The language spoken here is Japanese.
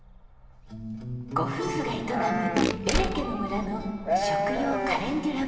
ご夫婦が営むベレケの村の食用カレンデュラ畑。